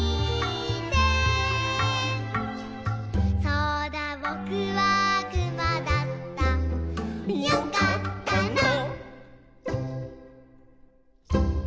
「そうだぼくはくまだった」「よかったな」